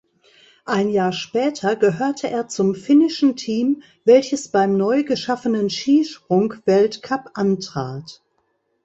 Ein Jahr später gehörte er zum finnischen Team, welches beim neu geschaffenen Skisprung-Weltcup antrat.